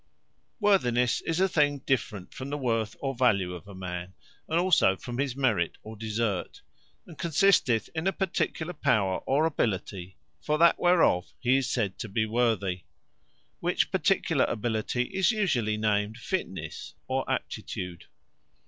Worthinesse Fitnesse WORTHINESSE, is a thing different from the worth, or value of a man; and also from his merit, or desert; and consisteth in a particular power, or ability for that, whereof he is said to be worthy: which particular ability, is usually named FITNESSE, or Aptitude.